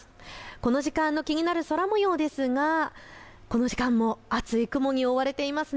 この時間の気になる空もようですがこの時間も厚い雲に覆われています。